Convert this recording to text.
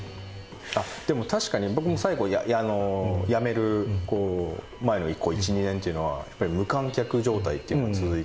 でも確かに僕も最後やめる前の１２年っていうのは無観客状態っていうのが続いて。